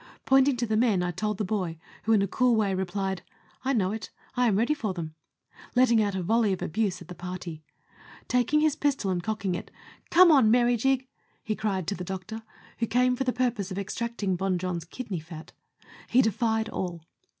Pointing to the men, I told the boy r who, in a cool way replied, " I know it ; I am ready for them," letting out a volley of abuse at the party. Taking his pistol, and cocking it, "Come on Merrijig," he cried to the doctor, who came for the purpose of extracting Bon Jon's kidney fat. He defied all.